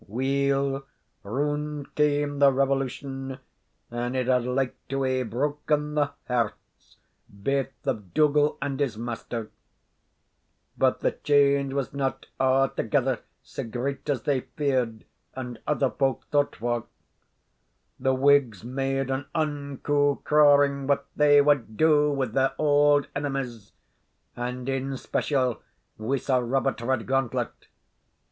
Weel, round came the Revolution, and it had like to hae broken the hearts baith of Dougal and his master. But the change was not a'thegether sae great as they feared and other folk thought for. The Whigs made an unco crawing what they wad do with their auld enemies, and in special wi' Sir Robert Redgauntlet.